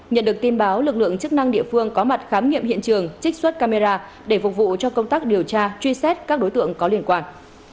nhận được tin báo lực lượng chức năng địa phương có mặt khám nghiệm hiện trường trích xuất camera để phục vụ cho công tác điều tra truy xét các đối tượng có liên quan